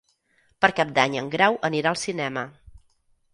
Per Cap d'Any en Grau anirà al cinema.